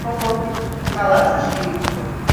— каласыш йӱк.